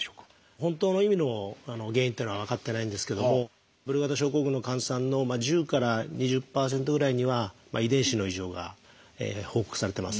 本当の意味の原因っていうのは分かってないんですけどもブルガダ症候群の患者さんの１０から２０％ぐらいには遺伝子の異常が報告されてます。